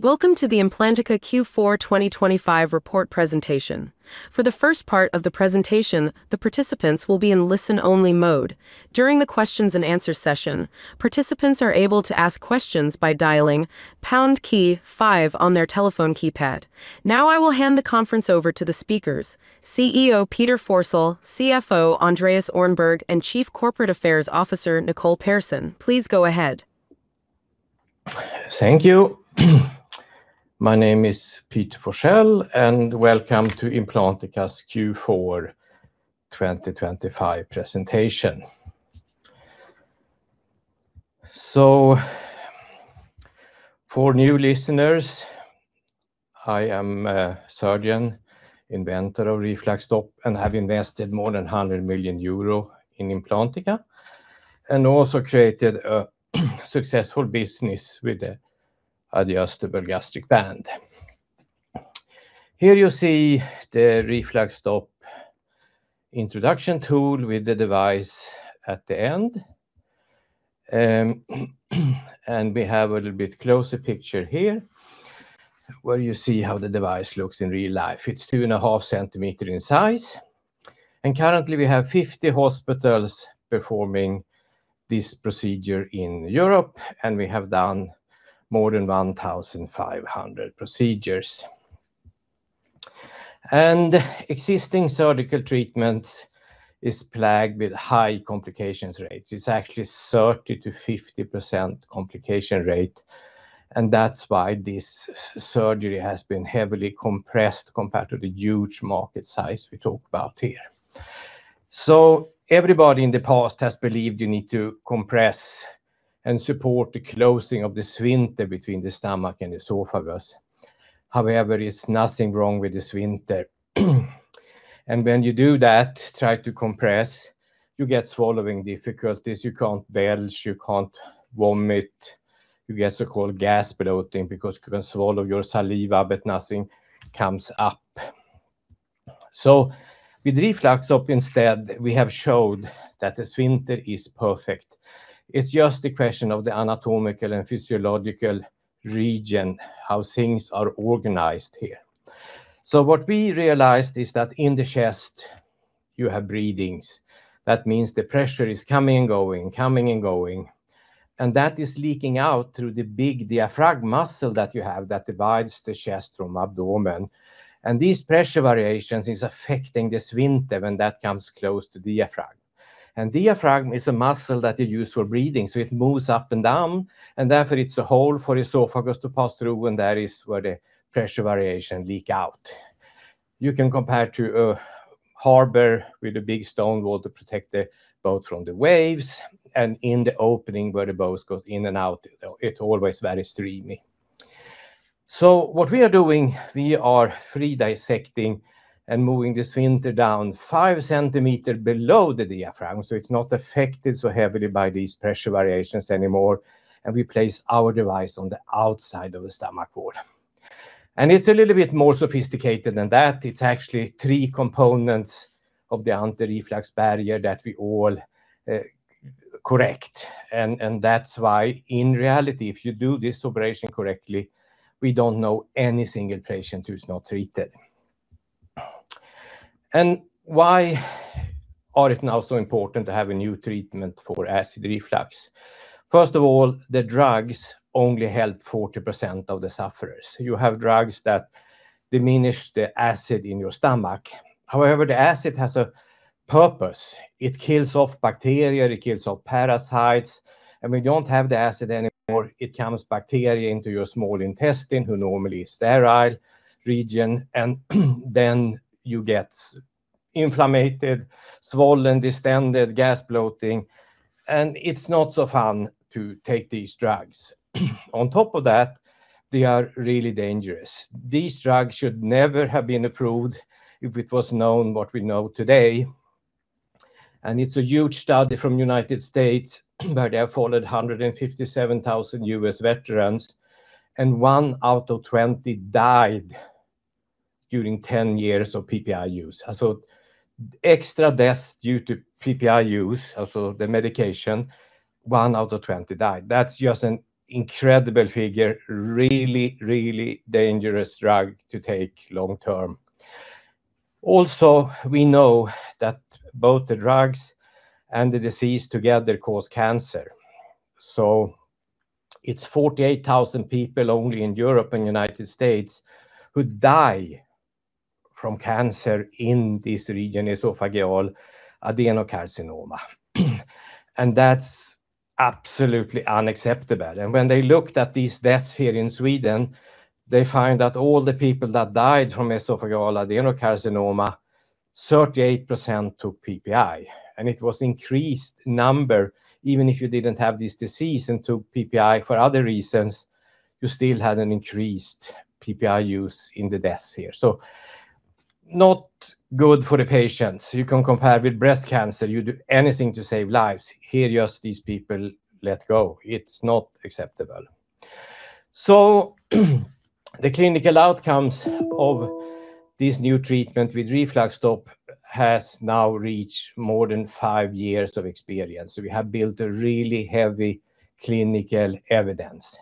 Welcome to the Implantica Q4 2025 report presentation. For the first part of the presentation, the participants will be in listen-only mode. During the question-and-answer session, participants are able to ask questions by dialing pound key five on their telephone keypad. Now, I will hand the conference over to the speakers, CEO Peter Forsell, CFO Andreas Öhrnberg, and Chief Corporate Affairs Officer Nicole Pehrsson. Please go ahead. Thank you. My name is Peter Forsell, welcome to Implantica's Q4 2025 presentation. For new listeners, I am a surgeon, inventor of RefluxStop, have invested more than 100 million euro in Implantica, also created a successful business with the adjustable gastric band. Here you see the RefluxStop introduction tool with the device at the end. We have a little bit closer picture here, where you see how the device looks in real life. It's 2.5 cm in size, currently, we have 50 hospitals performing this procedure in Europe, we have done more than 1,500 procedures. Existing surgical treatments is plagued with high complications rates. It's actually 30%-50% complication rate, that's why this surgery has been heavily compressed compared to the huge market size we talk about here. Everybody in the past has believed you need to compress and support the closing of the sphincter between the stomach and the esophagus. However, it's nothing wrong with the sphincter. When you do that, try to compress, you get swallowing difficulties, you can't belch, you can't vomit, you get so-called gas bloating because you can swallow your saliva, but nothing comes up. With RefluxStop, instead, we have showed that the sphincter is perfect. It's just a question of the anatomical and physiological region, how things are organized here. What we realized is that in the chest, you have breathings. That means the pressure is coming and going, coming and going, and that is leaking out through the big diaphragm muscle that you have that divides the chest from abdomen. These pressure variations is affecting the sphincter, and that comes close to diaphragm. Diaphragm is a muscle that you use for breathing, so it moves up and down, and therefore, it's a hole for the esophagus to pass through, and that is where the pressure variation leak out. You can compare to a harbor with a big stone wall to protect the boat from the waves, and in the opening where the boats goes in and out, it always very streamy. What we are doing, we are free dissecting and moving the sphincter down 5 cm below the diaphragm, so it's not affected so heavily by these pressure variations anymore, and we place our device on the outside of the stomach wall. It's a little bit more sophisticated than that. It's actually three components of the anti-reflux barrier that we all correct, and that's why, in reality, if you do this operation correctly, we don't know any single patient who's not treated. Why are it now so important to have a new treatment for acid reflux? First of all, the drugs only help 40% of the sufferers. You have drugs that diminish the acid in your stomach. However, the acid has a purpose. It kills off bacteria, it kills off parasites, and we don't have the acid anymore, it comes bacteria into your small intestine, who normally is sterile region, and then you get inflammated, swollen, distended, gas bloating, and it's not so fun to take these drugs. On top of that, they are really dangerous. These drugs should never have been approved if it was known what we know today. It's a huge study from United States, where they have followed 157,000 U.S. veterans, and one out of 20 died during 10 years of PPI use. Extra deaths due to PPI use, also the medication, one out of 20 died. That's just an incredible figure. Really, really dangerous drug to take long term. We know that both the drugs and the disease together cause cancer. It's 48,000 people only in Europe and United States who die from cancer in this region, esophageal adenocarcinoma. That's absolutely unacceptable. When they looked at these deaths here in Sweden, they find that all the people that died from esophageal adenocarcinoma, 38% took PPI, and it was increased number. Even if you didn't have this disease and took PPI for other reasons, you still had an increased PPI use in the deaths here. Not good for the patients. You can compare with breast cancer. You do anything to save lives. Here, just these people, let go. It's not acceptable. The clinical outcomes of this new treatment with RefluxStop has now reached more than five years of experience. We have built a really heavy clinical evidence.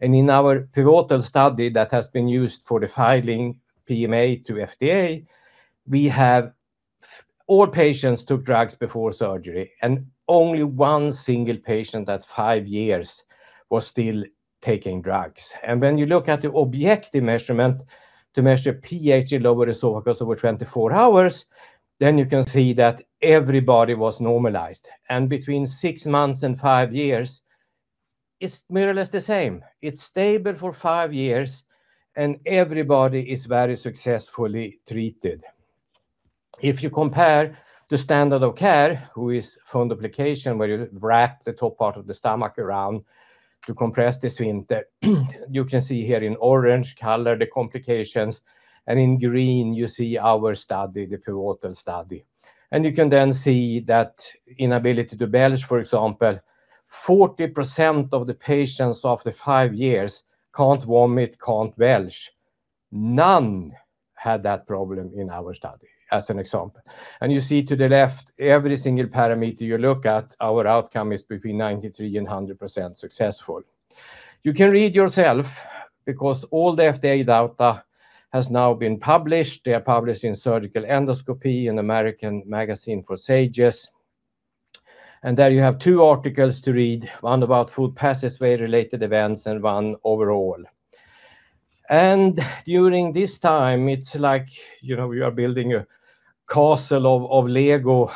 In our pivotal study that has been used for the filing PMA to FDA, we have all patients took drugs before surgery, and only one single patient at five years was still taking drugs. When you look at the objective measurement to measure pH in lower esophagus over 24 hours, you can see that everybody was normalized. Between six months and five years, it's more or less the same. It's stable for five years, and everybody is very successfully treated. If you compare the standard of care, who is fundoplication, where you wrap the top part of the stomach around to compress the sphincter, you can see here in orange color the complications. In green, you see our study, the pivotal study. You can then see that inability to belch, for example, 40% of the patients after five years can't vomit, can't belch. None had that problem in our study, as an example. You see to the left, every single parameter you look at, our outcome is between 93%-100% successful. You can read yourself because all the FDA data has now been published. They are published in Surgical Endoscopy, an American magazine for SAGES. There you have two articles to read, one about food passageway-related events and one overall. During this time, it's like, you know, we are building a castle of Lego,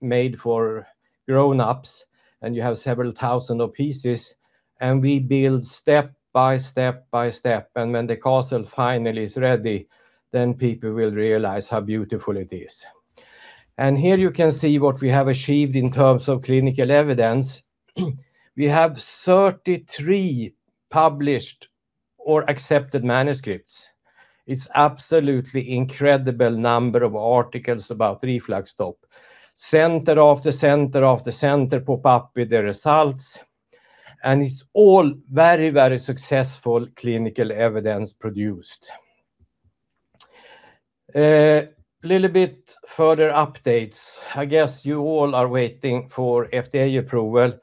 made for grown-ups, and you have several thousand of pieces, and we build step by step by step. When the castle finally is ready, then people will realize how beautiful it is. Here you can see what we have achieved in terms of clinical evidence. We have 33 published or accepted manuscripts. It's absolutely incredible number of articles about RefluxStop. Center after center after center pop up with the results, and it's all very, very successful clinical evidence produced. Little bit further updates. I guess you all are waiting for FDA approval,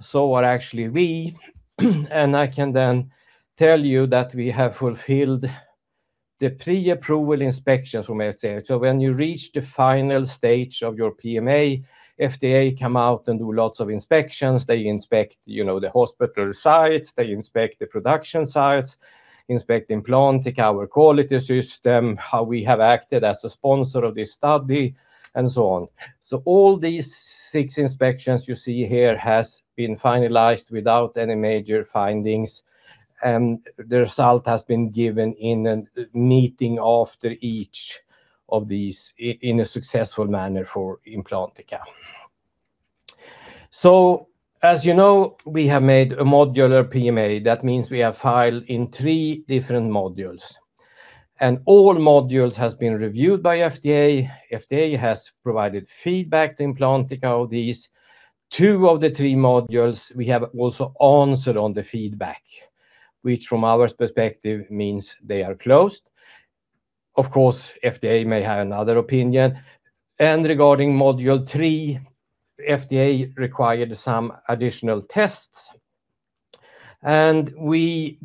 so are actually we. I can then tell you that we have fulfilled the pre-approval inspections from FDA. When you reach the final stage of your PMA, FDA come out and do lots of inspections. They inspect, you know, the hospital sites, they inspect the production sites, inspect Implantica, our quality system, how we have acted as a sponsor of this study, and so on. All these six inspections you see here has been finalized without any major findings, and the result has been given in a meeting after each of these in a successful manner for Implantica. As you know, we have made a modular PMA. That means we have filed in three different modules, and all modules has been reviewed by FDA. FDA has provided feedback to Implantica of these. Two of the three modules, we have also answered on the feedback, which from our perspective, means they are closed. Of course, FDA may have another opinion. Regarding module three, FDA required some additional tests, and we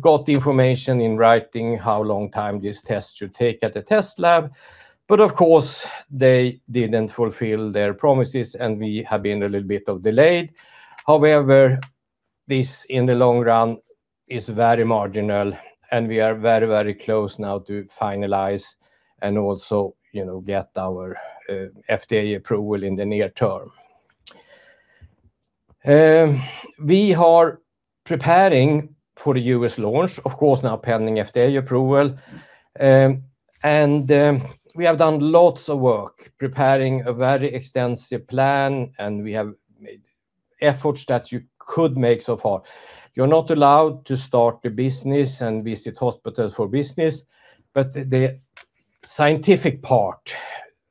got the information in writing, how long time this test should take at the test lab. Of course, they didn't fulfill their promises, and we have been a little bit of delayed. However, this, in the long run, is very marginal, and we are very, very close now to finalize and also, you know, get our FDA approval in the near term. We are preparing for the U.S. launch, of course, now pending FDA approval. We have done lots of work preparing a very extensive plan, and we have made efforts that you could make so far. You're not allowed to start the business and visit hospitals for business, but the scientific part,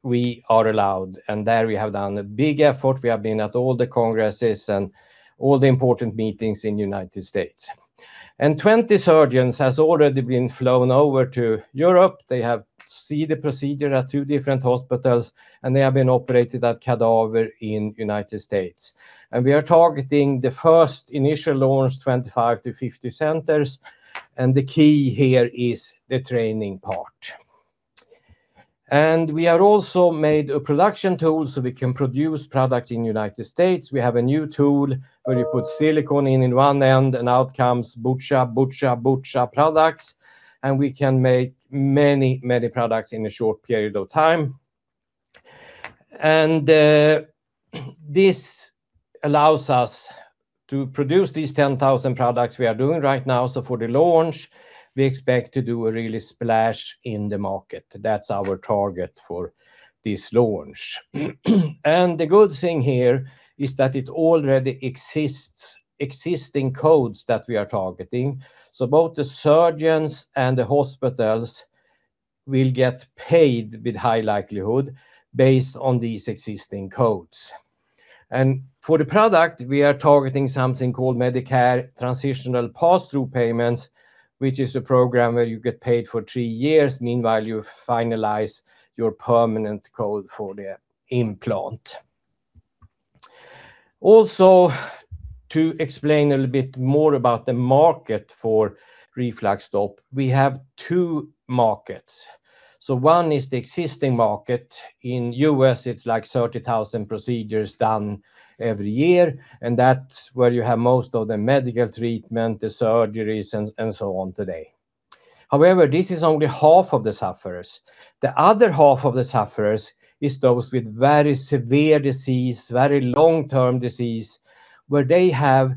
we are allowed, and there we have done a big effort. We have been at all the congresses and all the important meetings in United States. 20 surgeons has already been flown over to Europe. They have see the procedure at two different hospitals, they have been operated at cadaver in United States. We are targeting the first initial launch, 25-50 centers, the key here is the training part. We have also made a production tool so we can produce products in United States. We have a new tool where you put silicone in one end, and out comes bucha bucha bucha products, and we can make many, many products in a short period of time. This allows us to produce these 10,000 products we are doing right now. For the launch, we expect to do a really splash in the market. That's our target for this launch. The good thing here is that it already exists, existing codes that we are targeting. Both the surgeons and the hospitals will get paid with high likelihood based on these existing codes. For the product, we are targeting something called Medicare Transitional Pass-through Payments, which is a program where you get paid for three years. Meanwhile, you finalize your permanent code for the implant. To explain a little bit more about the market for RefluxStop, we have two markets. One is the existing market. In U.S., it's like 30,000 procedures done every year, and that's where you have most of the medical treatment, the surgeries, and so on today. This is only half of the sufferers. The other half of the sufferers is those with very severe disease, very long-term disease, where they have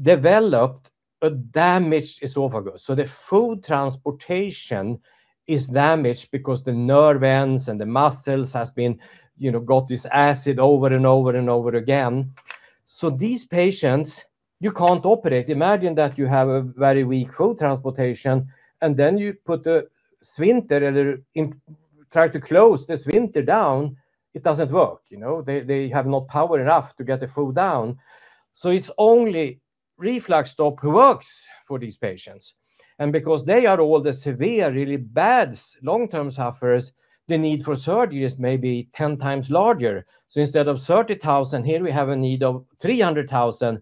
developed a damaged esophagus. The food transportation is damaged because the nerve ends and the muscles has been, you know, got this acid over and over and over again. These patients, you can't operate. Imagine that you have a very weak food transportation, and then you put a sphincter or try to close the sphincter down, it doesn't work. You know, they have not power enough to get the food down. It's only RefluxStop who works for these patients. Because they are all the severe, really bad long-term sufferers, the need for surgeries may be 10x larger. Instead of 30,000, here we have a need of 300,000,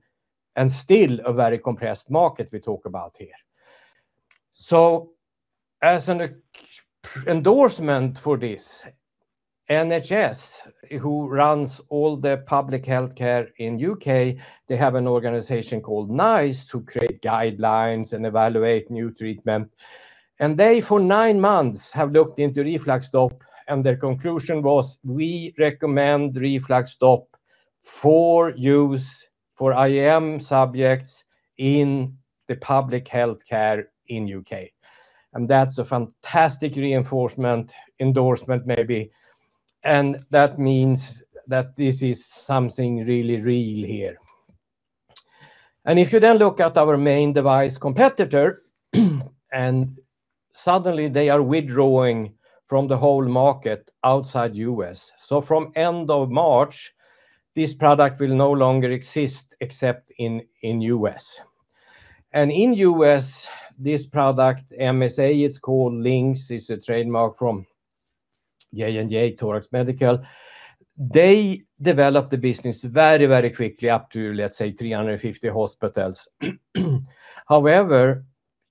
and still a very compressed market we talk about here. As an endorsement for this, NHS, who runs all the public healthcare in U.K., they have an organization called NICE, who create guidelines and evaluate new treatment. They, for 9 months, have looked into RefluxStop, and their conclusion was, "We recommend RefluxStop for use for IEM subjects in the public healthcare in U.K." That's a fantastic reinforcement, endorsement maybe, and that means that this is something really real here. If you then look at our main device competitor, and suddenly they are withdrawing from the whole market outside U.S. From end of March, this product will no longer exist, except in U.S. In U.S., this product, MSA, it's called LINX, it's a trademark from J&J Torax Medical. They developed the business very, very quickly, up to, let's say, 350 hospitals.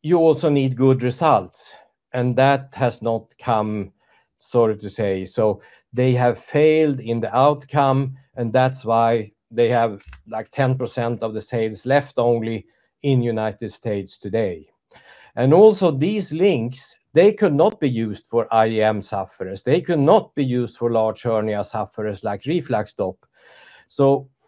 You also need good results, and that has not come, sorry to say. They have failed in the outcome, and that's why they have, like, 10% of the sales left only in United States today. These LINX, they could not be used for IEM sufferers. They could not be used for large hernia sufferers like RefluxStop.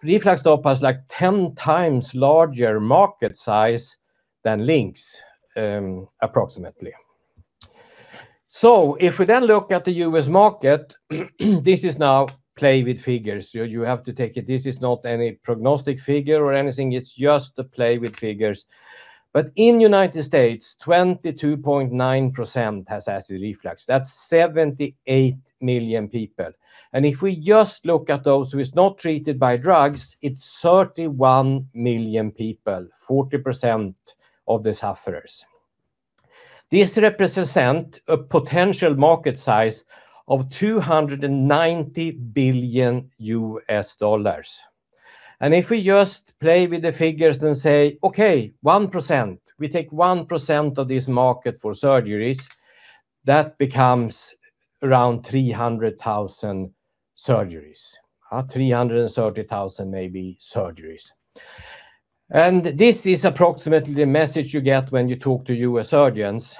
RefluxStop has, like, 10x larger market size than LINX, approximately. If we then look at the U.S. market, this is now play with figures. You have to take it, this is not any prognostic figure or anything. It's just a play with figures. In United States, 22.9% has acid reflux. That's 78 million people. If we just look at those who is not treated by drugs, it's 31 million people, 40% of the sufferers. This represent a potential market size of $290 billion. If we just play with the figures and say, "Okay, 1%," we take 1% of this market for surgeries, that becomes around 300,000 surgeries, or 330,000, maybe, surgeries. This is approximately the message you get when you talk to U.S. surgeons.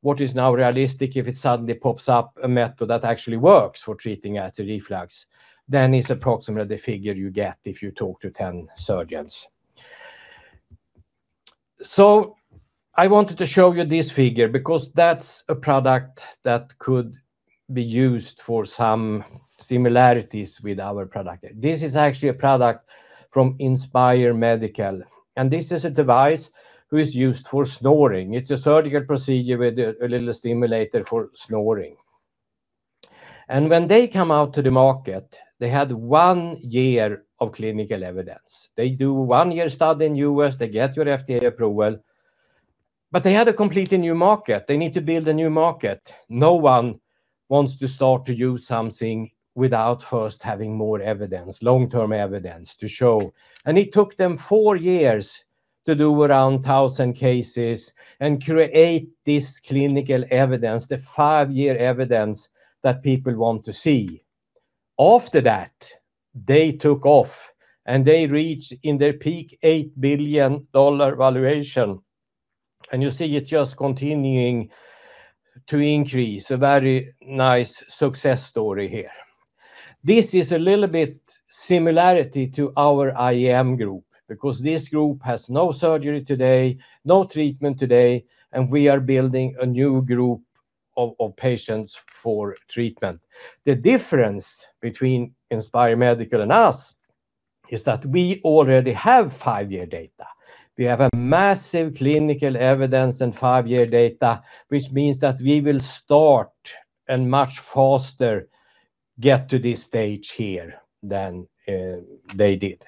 What is now realistic if it suddenly pops up a method that actually works for treating acid reflux, it's approximately the figure you get if you talk to 10 surgeons. I wanted to show you this figure, because that's a product that could be used for some similarities with our product. This is actually a product from Inspire Medical, and this is a device who is used for snoring. It's a surgical procedure with a little stimulator for snoring. When they come out to the market, they had 1 year of clinical evidence. They do one-year study in U.S., they get your FDA approval, but they had a completely new market. They need to build a new market. No one wants to start to use something without first having more evidence, long-term evidence to show. It took them four years to do around 1,000 cases and create this clinical evidence, the five-year evidence that people want to see. After that, they took off, and they reached, in their peak, $8 billion valuation, and you see it just continuing to increase. A very nice success story here. This is a little bit similarity to our IEM group, because this group has no surgery today, no treatment today, and we are building a new group of patients for treatment. The difference between Inspire Medical and us is that we already have five-year data. We have a massive clinical evidence and five-year data, which means that we will start and much faster get to this stage here than they did.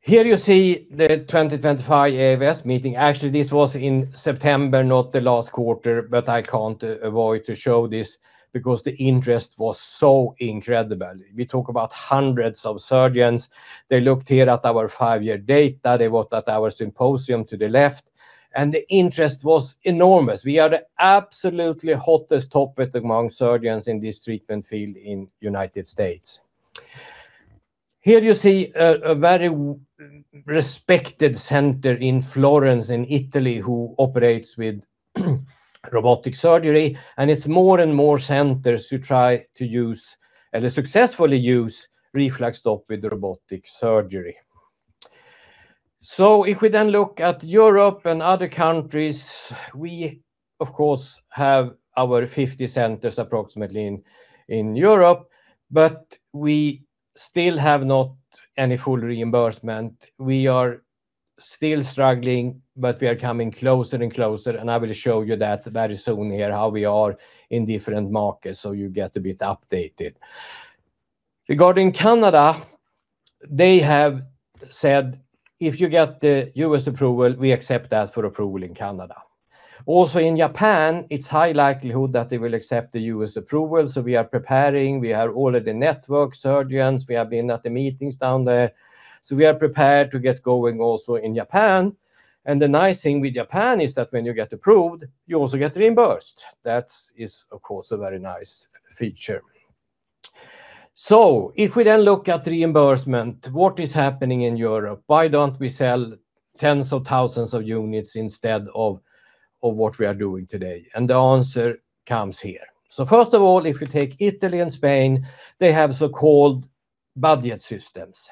Here you see the 2025 AFS meeting. Actually, this was in September, not the last quarter, but I can't avoid to show this because the interest was so incredible. We talk about hundreds of surgeons. They looked here at our five-year data. They looked at our symposium to the left, the interest was enormous. We are the absolutely hottest topic among surgeons in this treatment field in United States. Here you see a very respected center in Florence, in Italy, who operates with robotic surgery, and it's more and more centers who try to use, and successfully use, RefluxStop with robotic surgery. If we then look at Europe and other countries, we, of course, have our 50 centers approximately in Europe, but we still have not any full reimbursement. We are still struggling, but we are coming closer and closer, and I will show you that very soon here, how we are in different markets, so you get a bit updated. Regarding Canada, they have said, "If you get the U.S. approval, we accept that for approval in Canada." Also, in Japan, it's high likelihood that they will accept the U.S. approval, so we are preparing. We have all of the network surgeons. We have been at the meetings down there, so we are prepared to get going also in Japan. The nice thing with Japan is that when you get approved, you also get reimbursed. That is, of course, a very nice feature. If we then look at reimbursement, what is happening in Europe? Why don't we sell tens of thousands of units instead of what we are doing today? The answer comes here. First of all, if you take Italy and Spain, they have so-called budget systems.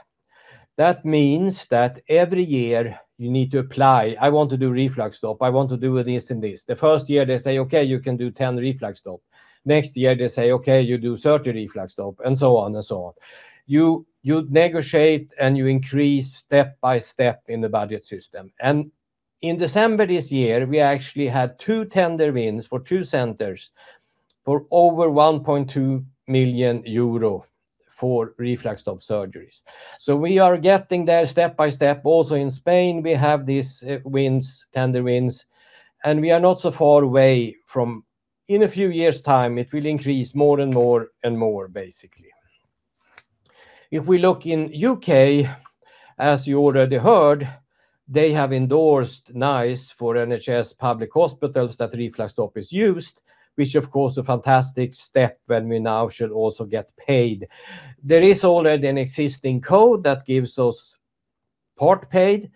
That means that every year you need to apply, "I want to do RefluxStop. I want to do this and this." The first year, they say, "Okay, you can do 10 RefluxStop." Next year, they say, "Okay, you do 30 RefluxStop," and so on, and so on. You negotiate, and you increase step by step in the budget system. In December this year, we actually had two tender wins for two centers for over 1.2 million euro for RefluxStop surgeries. We are getting there step by step. In Spain, we have these wins, tender wins, and we are not so far away from... In a few years' time, it will increase more, and more, and more, basically. If we look in U.K., as you already heard, they have endorsed NICE for NHS public hospitals that RefluxStop is used, which, of course, a fantastic step when we now should also get paid. There is already an existing code that gives us part paid,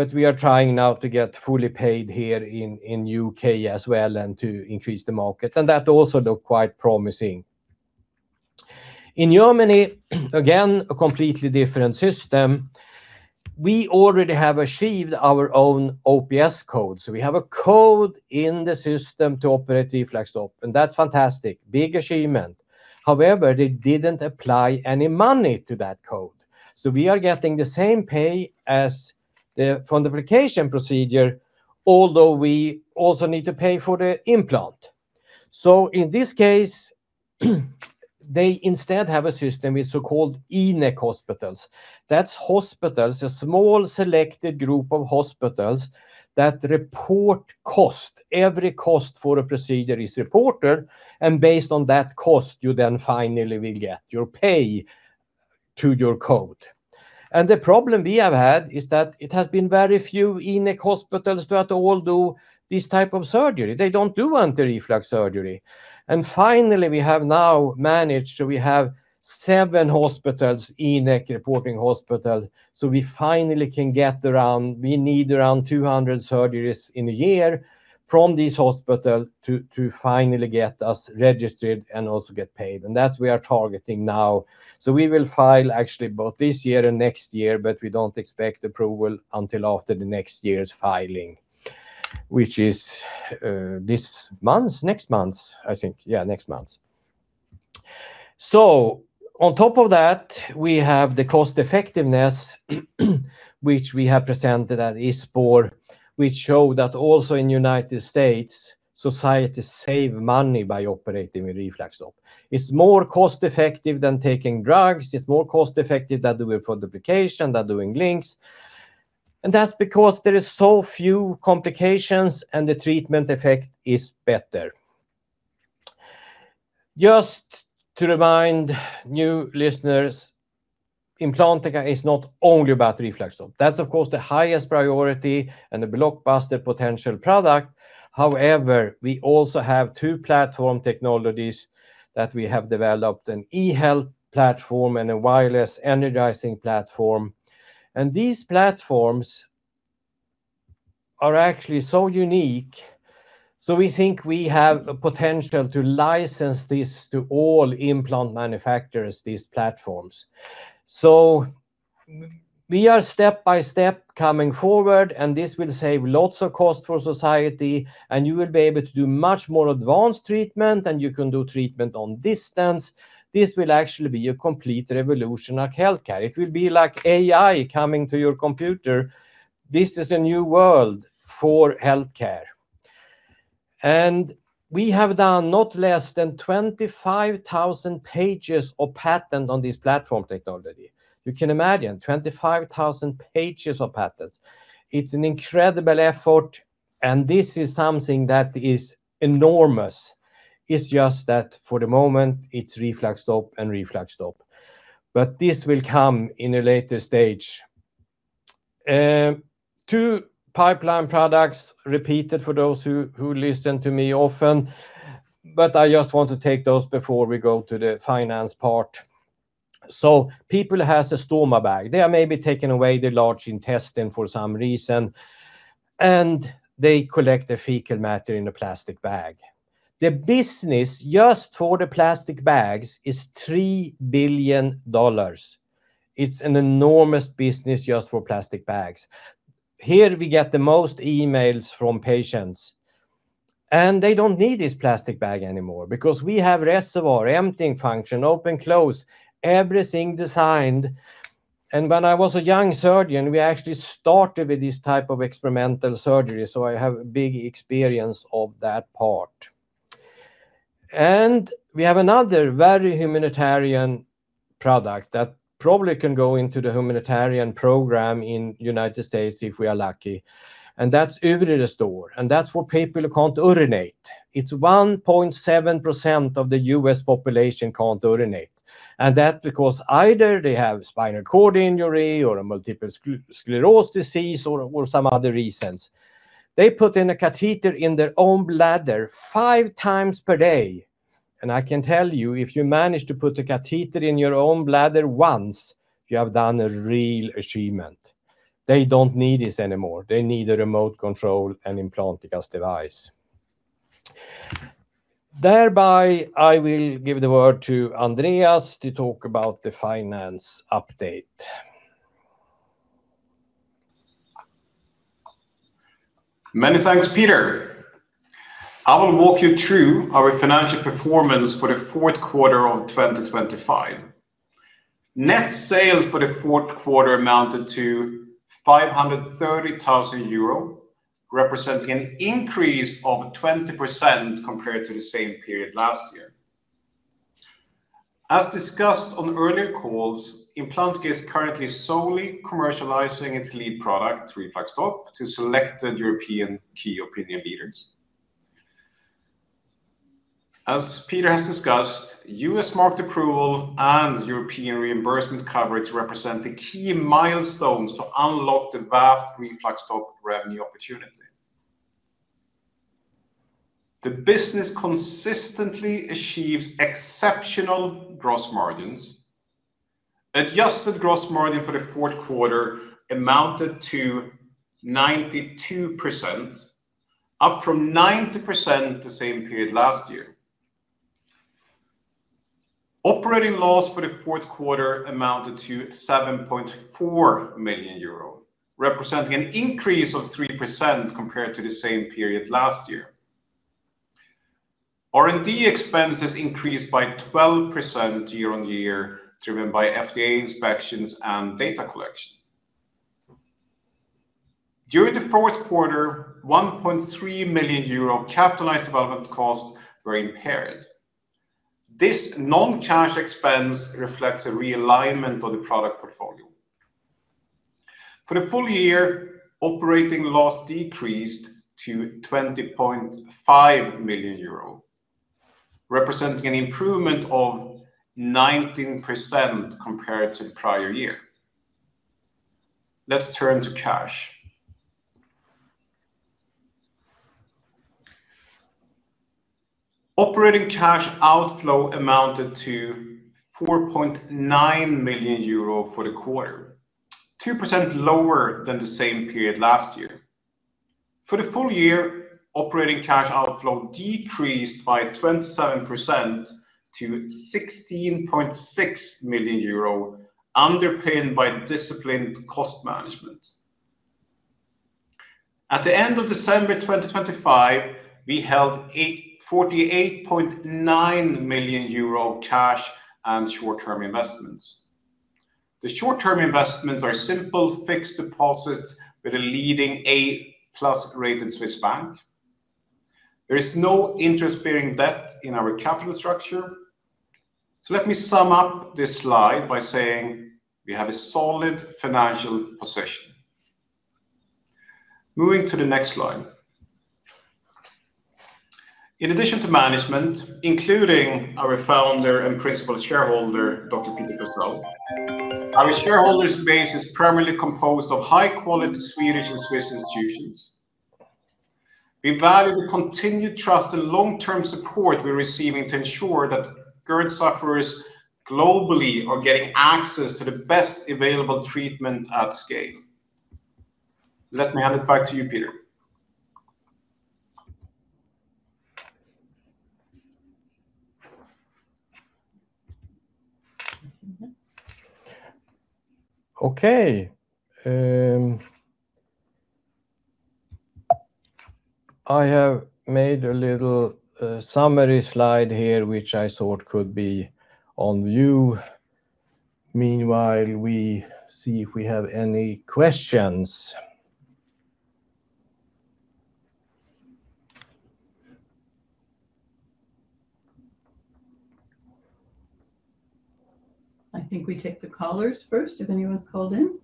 but we are trying now to get fully paid here in U.K. as well and to increase the market, and that also look quite promising. In Germany, again, a completely different system, we already have achieved our own OPS code. We have a code in the system to operate RefluxStop, and that's fantastic. Big achievement. They didn't apply any money to that code. We are getting the same pay as the fundoplication procedure, although we also need to pay for the implant. In this case, they instead have a system with so-called InEK hospitals. That's hospitals, a small, selected group of hospitals, that report cost. Every cost for a procedure is reported, and based on that cost, you then finally will get your pay to your code. The problem we have had is that it has been very few InEK hospitals that all do this type of surgery. They don't do anti-reflux surgery. Finally, we have now managed, so we have seven hospitals, InEK reporting hospitals, so we finally can get around. We need around 200 surgeries in a year from this hospital to finally get us registered and also get paid, and that we are targeting now. We will file actually both this year and next year, but we don't expect approval until after the next year's filing, which is this month, next month, I think. Yeah, next month. On top of that, we have the cost effectiveness, which we have presented at ISPOR, which show that also in United States, societies save money by operating with RefluxStop. It's more cost effective than taking drugs. It's more cost effective than doing fundoplication, than doing LINX. That's because there is so few complications, and the treatment effect is better. Just to remind new listeners, Implantica is not only about RefluxStop. That's, of course, the highest priority and a blockbuster potential product. However, we also have two platform technologies that we have developed, an e-health platform and a Wireless Energizing Platform. These platforms are actually so unique, so we think we have a potential to license this to all implant manufacturers, these platforms. We are step by step coming forward, and this will save lots of cost for society, and you will be able to do much more advanced treatment, and you can do treatment on distance. This will actually be a complete revolution of healthcare. It will be like AI coming to your computer. This is a new world for healthcare. We have done not less than 25,000 pages of patent on this platform technology. You can imagine, 25,000 pages of patents. It's an incredible effort, and this is something that is enormous. It's just that for the moment, it's RefluxStop and RefluxStop. This will come in a later stage. Two pipeline products repeated for those who listen to me often, I just want to take those before we go to the finance part. People has a stoma bag. They are maybe taking away their large intestine for some reason. They collect the fecal matter in a plastic bag. The business just for the plastic bags is $3 billion. It's an enormous business just for plastic bags. Here, we get the most emails from patients. They don't need this plastic bag anymore because we have reservoir, emptying function, open, close, everything designed. When I was a young surgeon, we actually started with this type of experimental surgery. I have big experience of that part. We have another very humanitarian product that probably can go into the humanitarian program in the U.S., if we are lucky, and that's Urethrostomy, and that's for people who can't urinate. It's 1.7% of the U.S. population can't urinate, and that because either they have spinal cord injury or a multiple sclerosis disease or some other reasons. They put in a catheter in their own bladder five times per day, and I can tell you, if you manage to put a catheter in your own bladder once, you have done a real achievement. They don't need this anymore. They need a remote control and Implantica's device. Thereby, I will give the word to Andreas Öhrnberg to talk about the finance update. Many thanks, Peter. I will walk you through our financial performance for the fourth quarter of 2025. Net sales for the fourth quarter amounted to 530,000 euro, representing an increase of 20% compared to the same period last year. As discussed on earlier calls, Implantica is currently solely commercializing its lead product, RefluxStop, to selected European key opinion leaders. As Peter has discussed, U.S. market approval and European reimbursement coverage represent the key milestones to unlock the vast RefluxStop revenue opportunity. The business consistently achieves exceptional gross margins. Adjusted gross margin for the fourth quarter amounted to 92%, up from 90% the same period last year. Operating loss for the fourth quarter amounted to 7.4 million euro, representing an increase of 3% compared to the same period last year. R&D expenses increased by 12% year-over-year, driven by FDA inspections and data collection. During the fourth quarter, 1.3 million euro capitalized development costs were impaired. This non-cash expense reflects a realignment of the product portfolio. For the full year, operating loss decreased to 20.5 million euro, representing an improvement of 19% compared to the prior year. Let's turn to cash. Operating cash outflow amounted to 4.9 million euro for the quarter, 2% lower than the same period last year. For the full year, operating cash outflow decreased by 27% to 16.6 million euro, underpinned by disciplined cost management. At the end of December 2025, we held 48.9 million euro cash and short-term investments. The short-term investments are simple fixed deposits with a leading A-plus rated Swiss bank. There is no interest-bearing debt in our capital structure. Let me sum up this slide by saying we have a solid financial position. Moving to the next slide. In addition to management, including our founder and principal shareholder, Dr. Peter Forsell, our shareholder base is primarily composed of high-quality Swedish and Swiss institutions. We value the continued trust and long-term support we're receiving to ensure that GERD sufferers globally are getting access to the best available treatment at scale. Let me hand it back to you, Peter. I have made a little summary slide here, which I thought could be on view. Meanwhile, we see if we have any questions. I think we take the callers first, if anyone's called in.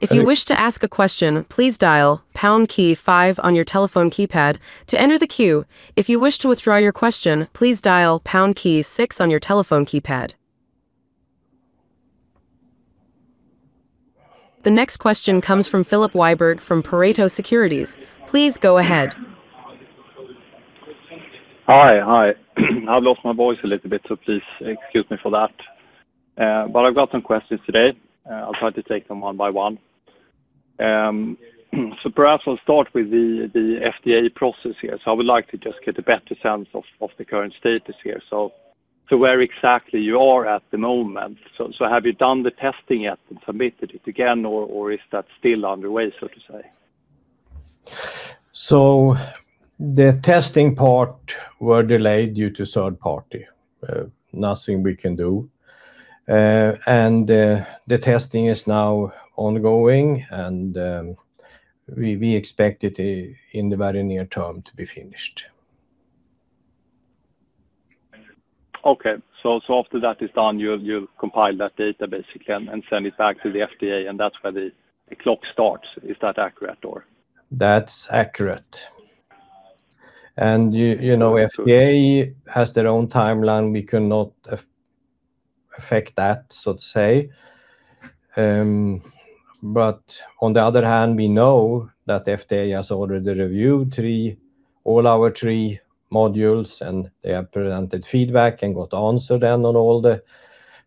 If you wish to ask a question, please dial pound key five on your telephone keypad to enter the queue. If you wish to withdraw your question, please dial pound key six on your telephone keypad. The next question comes from Filip Wiberg, from Pareto Securities. Please go ahead. Hi, hi. I've lost my voice a little bit, so please excuse me for that. I've got some questions today. I'll try to take them one by one. Perhaps I'll start with the FDA process here. I would like to just get a better sense of the current status here. Where exactly you are at the moment. Have you done the testing yet and submitted it again, or is that still underway, so to say? The testing part were delayed due to third party. Nothing we can do. The testing is now ongoing, and we expect it in the very near term to be finished. Okay. After that is done, you compile that data basically and send it back to the FDA, and that's where the clock starts. Is that accurate or? That's accurate. You, you know, FDA has their own timeline. We cannot affect that, so to say. On the other hand, we know that FDA has already reviewed all our 3 modules, and they have presented feedback and got answer then on all the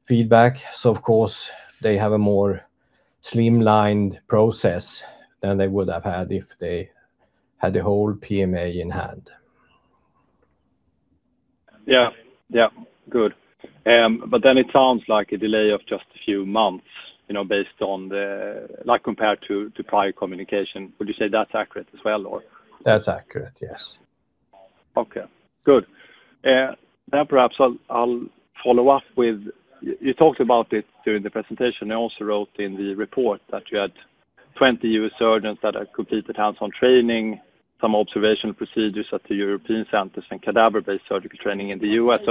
feedback. Of course, they have a more streamlined process than they would have had if they had the whole PMA in hand. Yeah, yeah. Good. It sounds like a delay of just a few months, you know, based on the, like, compared to prior communication. Would you say that's accurate as well, or? That's accurate, yes. Good. Perhaps I'll follow up with, you talked about this during the presentation. I also wrote in the report that you had 20 U.S. surgeons that had completed hands-on training, some observational procedures at the European centers and cadaver-based surgical training in the U.S.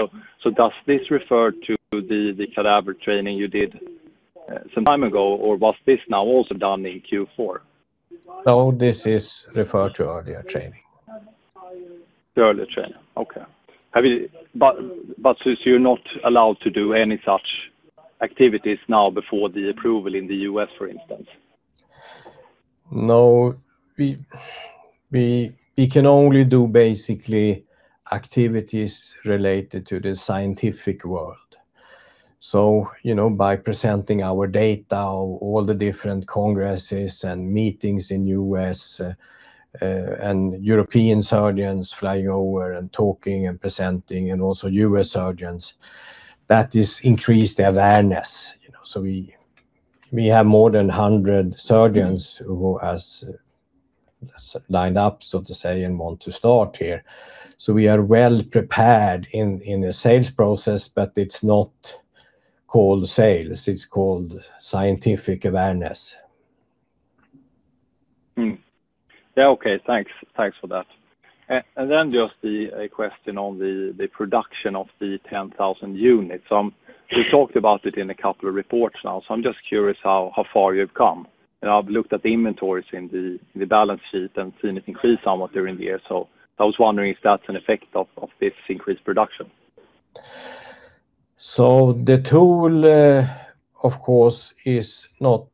Does this refer to the cadaver training you did some time ago, or was this now also done in Q4? No, this is referred to earlier training. The earlier training, okay. Since you're not allowed to do any such activities now before the approval in the U.S., for instance? We can only do basically activities related to the scientific world. You know, by presenting our data, all the different congresses and meetings in U.S., and European surgeons flying over and talking and presenting, and also U.S. surgeons, that is increased awareness, you know. We have more than 100 surgeons who has lined up, so to say, and want to start here. We are well prepared in the sales process, but it's not called sales, it's called scientific awareness. Yeah, okay, thanks. Thanks for that. Just a question on the production of the 10,000 units. We talked about it in a couple of reports now, so I'm just curious how far you've come. I've looked at the inventories in the balance sheet and seen it increase somewhat during the year. I was wondering if that's an effect of this increased production. The tool, of course, is not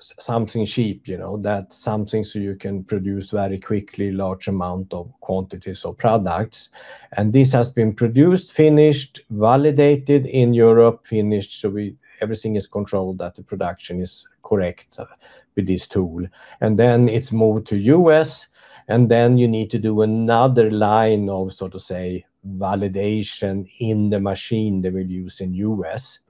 something cheap, you know, that's something so you can produce very quickly, large amount of quantities of products. This has been produced, finished, validated in Europe, finished. Everything is controlled, that the production is correct with this tool. It's moved to US, and then you need to do another line of, so to say, validation in the machine they will use in US,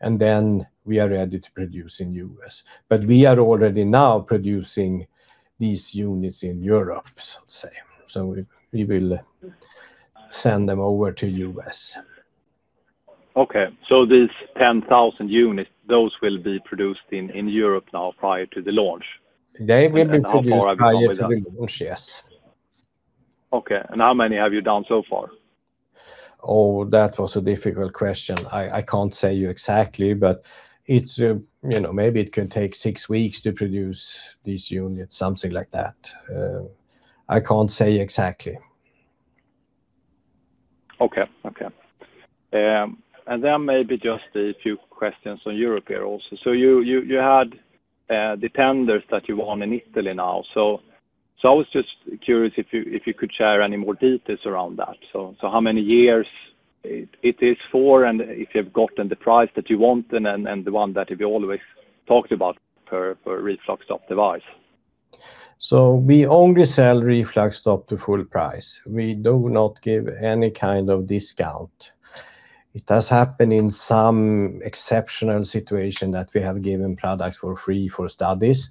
and then we are ready to produce in US. We are already now producing these units in Europe, so to say. We will send them over to US. Okay, these 10,000 units, those will be produced in Europe now prior to the launch? They will be produced- How far are you with that? Prior to the launch, yes. Okay, how many have you done so far? Oh, that was a difficult question. I can't say you exactly, but it's, you know, maybe it can take six weeks to produce these units, something like that. I can't say exactly. Okay. Maybe just a few questions on Europe here also. You had the tenders that you won in Italy now. I was just curious if you could share any more details around that. How many years it is for, and if you've gotten the price that you want, and the one that you've always talked about for RefluxStop device? We only sell RefluxStop to full price. We do not give any kind of discount. It does happen in some exceptional situation that we have given products for free for studies,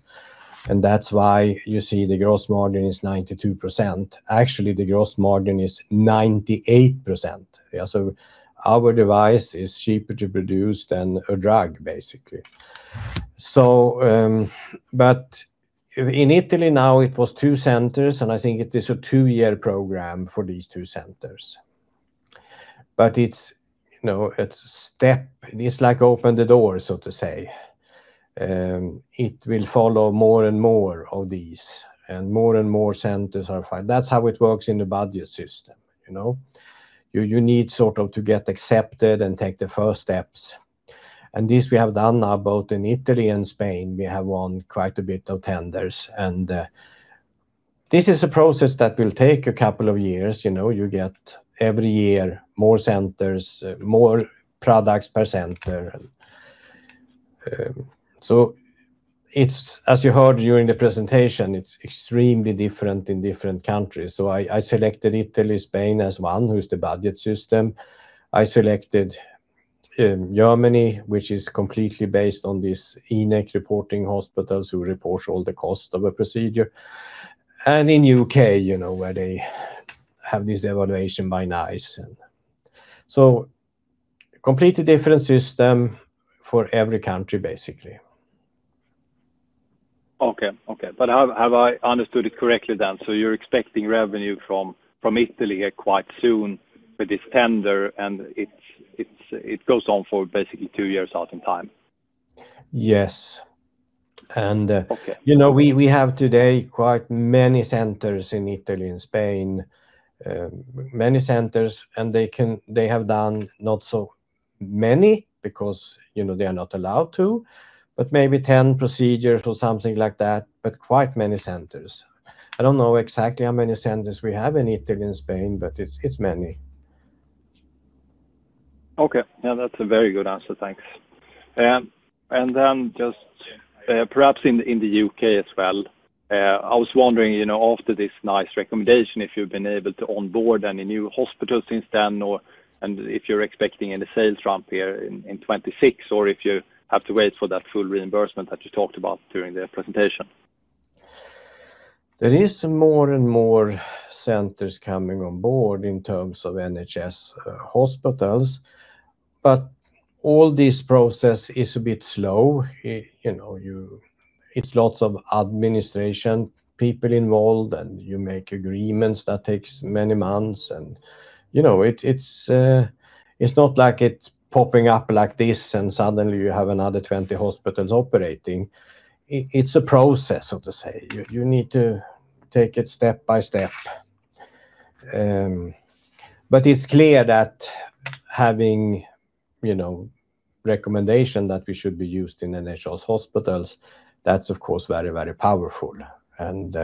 and that's why you see the gross margin is 92%. Actually, the gross margin is 98%. Our device is cheaper to produce than a drug, basically. In Italy now, it was two centers, and I think it is a two-year program for these two centers. It's, you know, it's a step. It's like open the door, so to say. It will follow more and more of these, and more and more centers are fine. That's how it works in the budget system, you know? You need sort of to get accepted and take the first steps. This we have done now, both in Italy and Spain, we have won quite a bit of tenders. This is a process that will take two years, you know, you get every year, more centers, more products per center. As you heard during the presentation, it's extremely different in different countries. I selected Italy, Spain as one, who's the budget system. I selected Germany, which is completely based on this InEK reporting hospitals who report all the cost of a procedure. In UK, you know, where they have this evaluation by NICE. Completely different system for every country, basically. Okay, have I understood it correctly then? You're expecting revenue from Italy quite soon with this tender, and it goes on for basically two years out in time. Yes. Okay. You know, we have today quite many centers in Italy and Spain. Many centers, they have done not so many because, you know, they are not allowed to, but maybe 10 procedures or something like that, but quite many centers. I don't know exactly how many centers we have in Italy and Spain, it's many. Okay. Yeah, that's a very good answer, thanks. Then just perhaps in the U.K. as well, I was wondering, you know, after this NICE recommendation, if you've been able to onboard any new hospitals since then, or if you're expecting any sales ramp here in 2026, or if you have to wait for that full reimbursement that you talked about during the presentation? There is more and more centers coming on board in terms of NHS hospitals. All this process is a bit slow. You know, it's lots of administration, people involved, and you make agreements that takes many months, and, you know, it's not like it's popping up like this, and suddenly you have another 20 hospitals operating. It's a process, so to say. You need to take it step by step. It's clear that having, you know, recommendation that we should be used in NHS hospitals, that's, of course, very, very powerful, and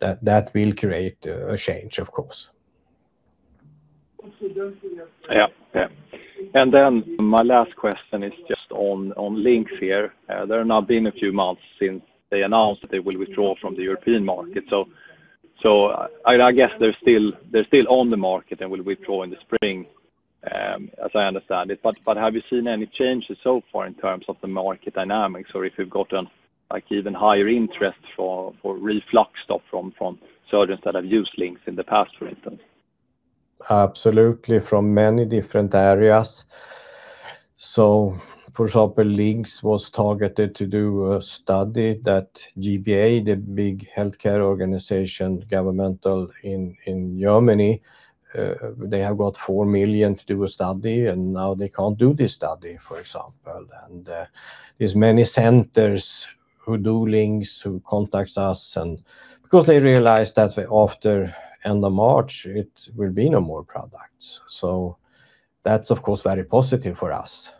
that will create a change, of course. Yeah. My last question is just on LINX here. There have now been a few months since they announced that they will withdraw from the European market. I guess they're still on the market and will withdraw in the spring, as I understand it. Have you seen any changes so far in terms of the market dynamics, or if you've gotten, like, even higher interest for RefluxStop from surgeons that have used LINX in the past, for instance? Absolutely, from many different areas. For example, LINX was targeted to do a study that G-BA, the big healthcare organization, governmental in Germany, they have got 4 million to do a study, now they can't do this study, for example. There's many centers who do LINX, who contacts us, because they realize that after end of March, it will be no more products. That's, of course, very positive for us.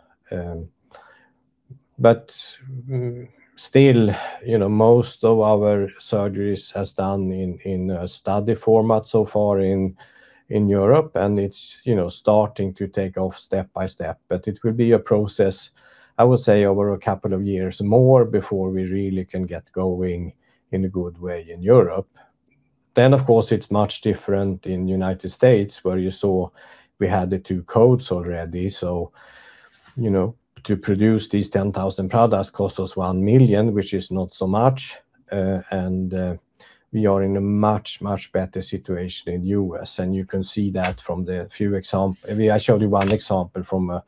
Still, you know, most of our surgeries has done in a study format so far in Europe, it's, you know, starting to take off step by step. It will be a process, I would say, over a couple of years more before we really can get going in a good way in Europe. Of course, it's much different in United States, where you saw we had the two codes already. You know, to produce these 10,000 products cost us 1 million, which is not so much, and we are in a much, much better situation in U.S. You can see that from the few I showed you one example from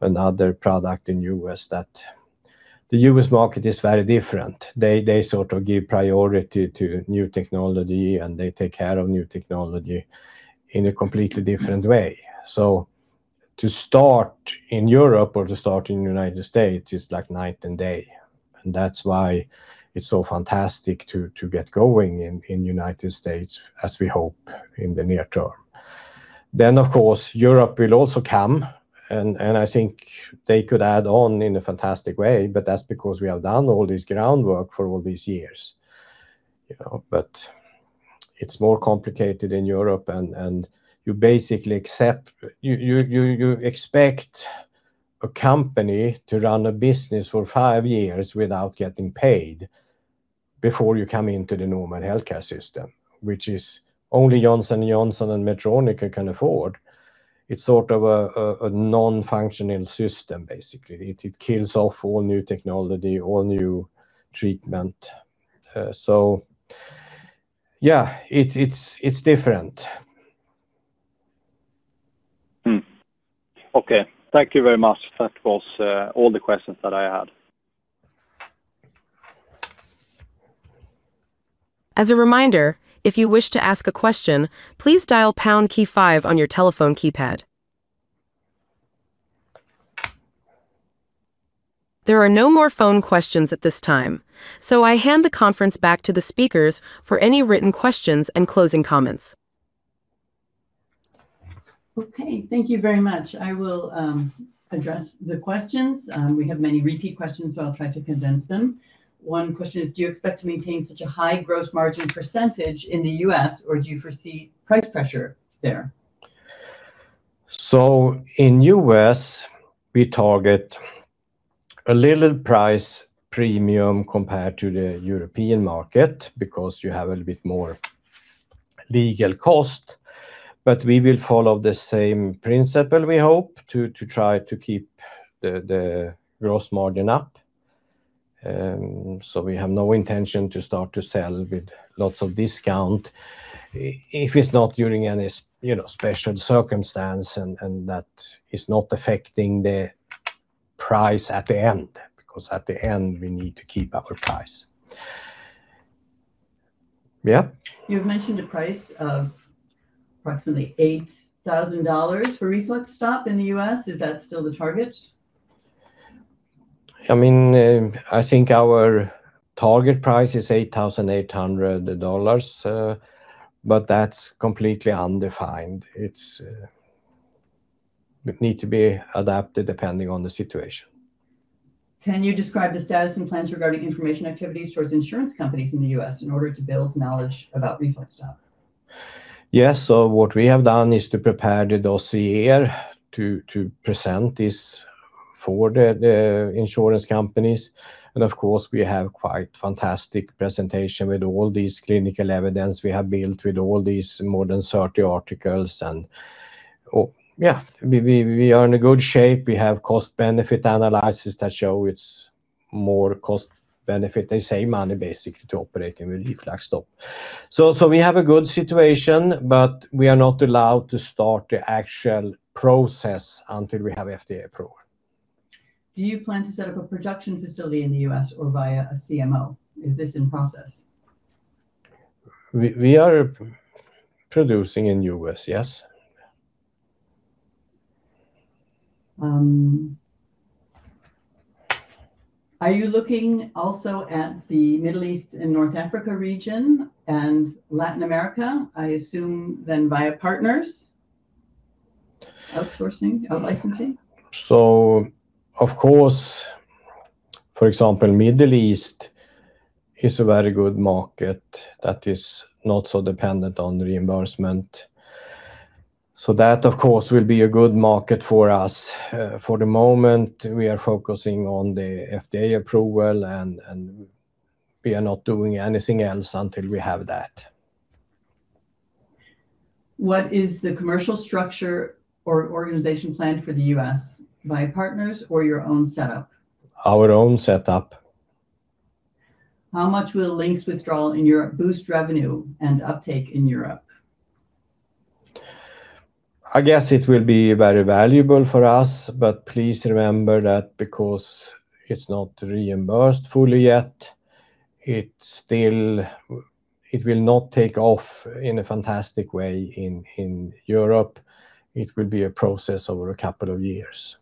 another product in U.S., that the U.S. market is very different. They sort of give priority to new technology, and they take care of new technology in a completely different way. To start in Europe or to start in United States is like night and day, and that's why it's so fantastic to get going in United States, as we hope in the near term. Of course, Europe will also come, and I think they could add on in a fantastic way. That's because we have done all this groundwork for all these years. You know, it's more complicated in Europe, and you basically accept. You expect a company to run a business for five years without getting paid before you come into the normal healthcare system, which only Johnson & Johnson and Medtronic can afford. It's sort of a non-functioning system, basically. It kills off all new technology, all new treatment. Yeah, it's different. Okay, thank you very much. That was all the questions that I had. As a reminder, if you wish to ask a question, please dial pound key five on your telephone keypad. There are no more phone questions at this time, so I hand the conference back to the speakers for any written questions and closing comments. Okay, thank you very much. I will address the questions. We have many repeat questions, so I'll try to condense them. One question is, do you expect to maintain such a high gross margin % in the U.S., or do you foresee price pressure there? In U.S., we target a little price premium compared to the European market, because you have a little bit more legal cost. We will follow the same principle, we hope, to try to keep the gross margin up. We have no intention to start to sell with lots of discount, if it's not during any you know, special circumstance, and that is not affecting the price at the end. At the end, we need to keep up our price. Yeah? You've mentioned a price of approximately $8,000 for RefluxStop in the U.S. Is that still the target? I mean, I think our target price is EUR 8,800. That's completely undefined. It's, it need to be adapted depending on the situation. Can you describe the status and plans regarding information activities towards insurance companies in the U.S. in order to build knowledge about RefluxStop? Yes. What we have done is to prepare the dossier to present this for the insurance companies. Of course, we have quite fantastic presentation with all these clinical evidence we have built with all these more than 30 articles. Oh, yeah, we are in a good shape. We have cost-benefit analysis that show it's more cost benefit. They save money basically to operating with RefluxStop. We have a good situation, but we are not allowed to start the actual process until we have FDA approval. Do you plan to set up a production facility in the U.S. or via a CMO? Is this in process? We are producing in U.S., yes. Are you looking also at the Middle East and North Africa region and Latin America, I assume then via partners, outsourcing, out licensing? Of course, for example, Middle East is a very good market that is not so dependent on reimbursement. That, of course, will be a good market for us. For the moment, we are focusing on the FDA approval, and we are not doing anything else until we have that. What is the commercial structure or organization plan for the U.S., via partners or your own setup? Our own setup. How much will LINX withdrawal in Europe boost revenue and uptake in Europe? I guess it will be very valuable for us, but please remember that because it's not reimbursed fully yet, it will not take off in a fantastic way in Europe. It will be a process over a couple of years.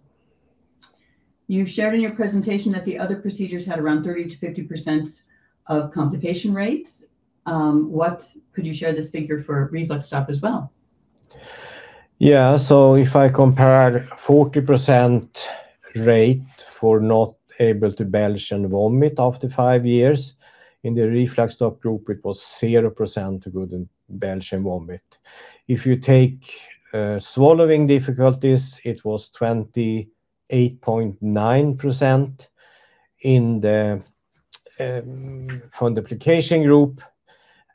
You've shared in your presentation that the other procedures had around 30%-50% of complication rates. Could you share this figure for RefluxStop as well? If I compare 40% rate for not able to belch and vomit after five years, in the RefluxStop group, it was 0% who couldn't belch and vomit. If you take swallowing difficulties, it was 28.9% in the fundoplication group,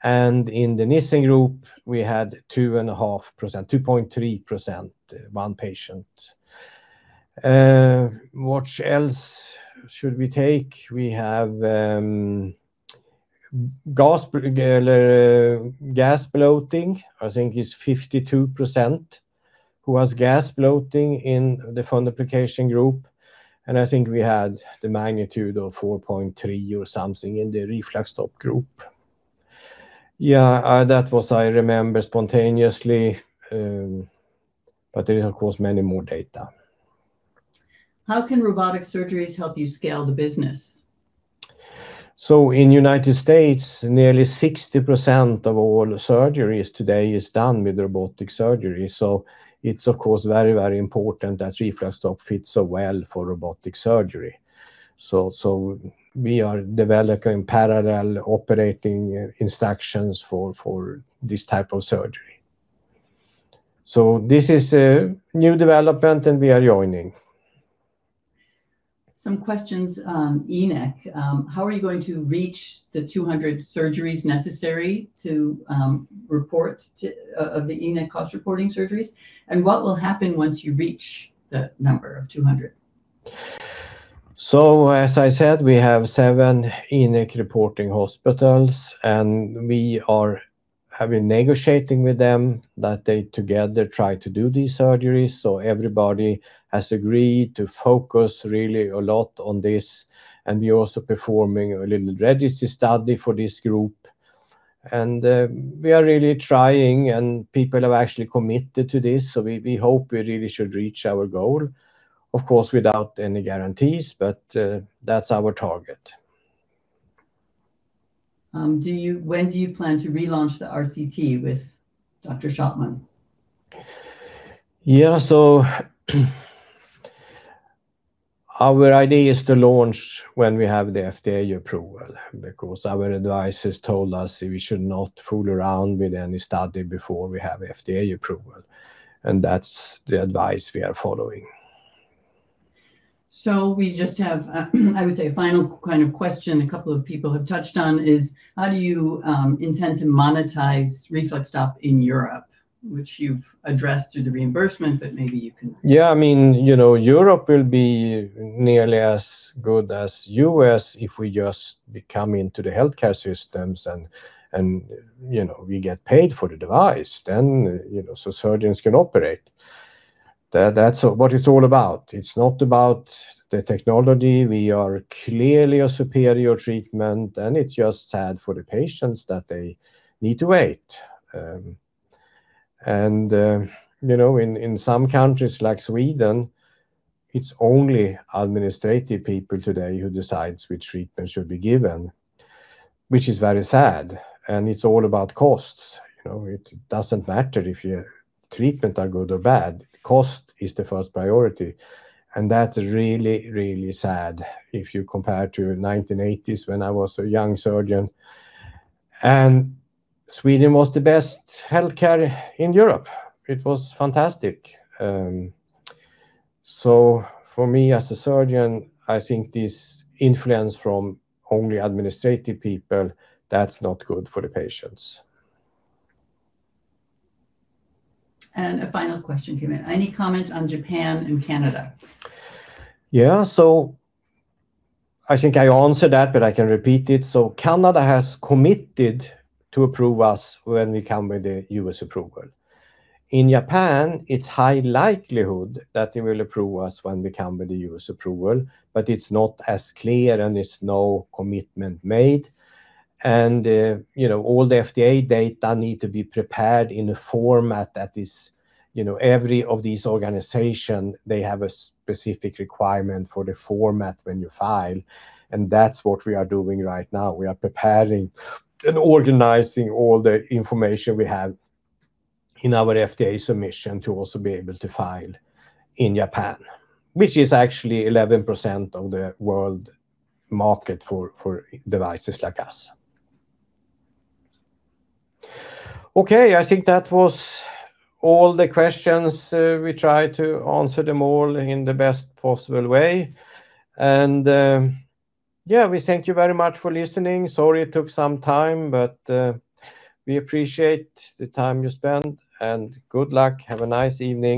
and in the Nissen group, we had 2.5%, 2.3%, one patient. What else should we take? We have gas bloating, I think is 52%, who has gas bloating in the fundoplication group, and I think we had the magnitude of 4.3 or something in the RefluxStop group. That was I remember spontaneously, there is, of course, many more data. How can robotic surgeries help you scale the business? In United States, nearly 60% of all surgeries today is done with robotic surgery. It's of course, very, very important that RefluxStop fits so well for robotic surgery. We are developing parallel operating instructions for this type of surgery. This is a new development, and we are joining. Some questions, InEK. How are you going to reach the 200 surgeries necessary to, of the InEK cost reporting surgeries? What will happen once you reach the number of 200? As I said, we have 7 InEK reporting hospitals, and we are having negotiating with them, that they together try to do these surgeries. We are really trying, and people have actually committed to this, so we hope we really should reach our goal. Of course, without any guarantees, but that's our target. When do you plan to relaunch the RCT with Dr. Schoppmann? Yeah, our idea is to launch when we have the FDA approval. Our advisors told us we should not fool around with any study before we have FDA approval, and that's the advice we are following. we just have, I would say, a final kind of question a couple of people have touched on, is how do you intend to monetize RefluxStop in Europe? Which you've addressed through the reimbursement, but maybe you can. Yeah, I mean, you know, Europe will be nearly as good as U.S. if we just come into the healthcare systems and, you know, we get paid for the device, then, you know, so surgeons can operate. That's what it's all about. It's not about the technology. We are clearly a superior treatment, and it's just sad for the patients that they need to wait. You know, in some countries like Sweden, it's only administrative people today who decides which treatment should be given, which is very sad, and it's all about costs. You know, it doesn't matter if your treatment are good or bad, cost is the first priority. That's really, really sad if you compare to 1980s when I was a young surgeon, Sweden was the best healthcare in Europe. It was fantastic. For me as a surgeon, I think this influence from only administrative people, that's not good for the patients. A final question came in. Any comment on Japan and Canada? Yeah, I think I answered that, but I can repeat it. In Japan, it's high likelihood that they will approve us when we come with the U.S. approval, but it's not as clear, and there's no commitment made. You know, all the FDA data need to be prepared in a format that is... You know, every of these organization, they have a specific requirement for the format when you file, that's what we are doing right now. We are preparing and organizing all the information we have in our FDA submission to also be able to file in Japan, which is actually 11% of the world market for devices like us. Okay, I think that was all the questions. We tried to answer them all in the best possible way. Yeah, we thank you very much for listening. Sorry it took some time, but, we appreciate the time you spent, and good luck. Have a nice evening.